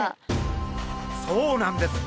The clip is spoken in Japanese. そうなんです！